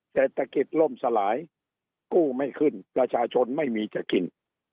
เศรษฐกิจล่มสลายกู้ไม่ขึ้นประชาชนไม่มีจะกิน